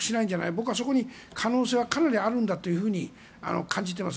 僕はそこに可能性がかなりあると感じています。